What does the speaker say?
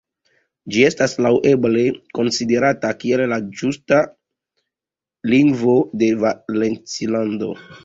Ĝi estas laŭleĝe konsiderata kiel la ĝusta lingvo de Valencilando.